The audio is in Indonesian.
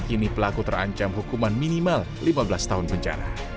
kini pelaku terancam hukuman minimal lima belas tahun penjara